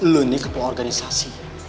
lo ini kepala organisasi